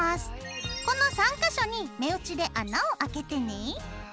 この３か所に目打ちで穴を開けてね。